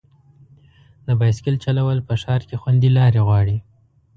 د بایسکل چلول په ښار کې خوندي لارې غواړي.